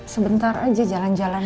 sebentar aja jalan jalan